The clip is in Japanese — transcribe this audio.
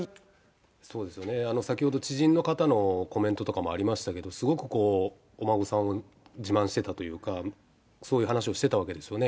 そうですよね、先ほど、知人の方のコメントとかもありましたけど、すごくお孫さんを自慢してたというか、そういう話をしてたわけですよね。